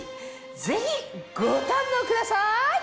ぜひご堪能ください！